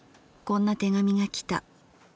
こんな手紙がきた。